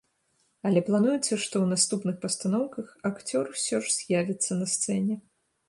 Але плануецца, што ў наступных пастаноўках акцёр усё ж з'явіцца на сцэне.